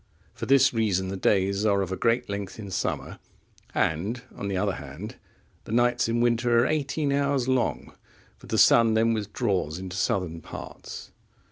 For this reason the days are of a great length in summer, and on the other hand, the nights in winter are eighteen hours long, for the sun then withdraws into southern parts.